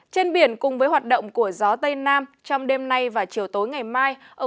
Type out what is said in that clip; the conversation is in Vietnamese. trên biển cùng với hoạt động của gió tây nam trong đêm nay và chiều tối ngày mai